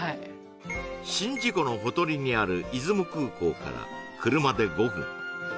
宍道湖のほとりにある出雲空港から車で５分